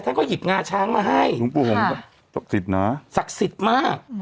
ท่านก็หยิบงาช้างมาให้หลวงปู่ผมก็ศักดิ์สิทธิ์นะศักดิ์สิทธิ์มาก